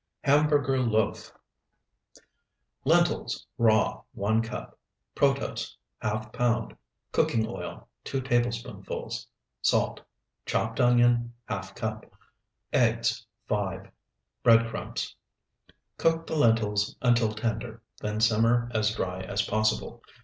HAMBURGER LOAF Lentils, raw, 1 cup. Protose, ½ pound. Cooking oil, 2 tablespoonfuls. Salt. Chopped onion, ½ cup. Eggs, 5. Bread crumbs. Cook the lentils until tender, then simmer as dry as possible.